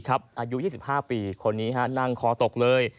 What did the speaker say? อายุ๒๕ปีคนนี้นั่งคอตกเลย